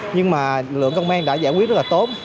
nhưng mà lượng công an đã giải quyết rất là tốt